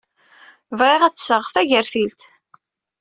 Bɣiɣ ad d-sɣeɣ tagertilt.